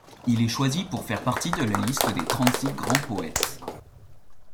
Il est choisi pour faire partie de la liste des trente-six grands poètes.